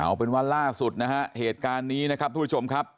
เอาเป็นว่าล่าสุดนะฮะเหตุการณ์นี้นะครับทุกผู้ชมครับ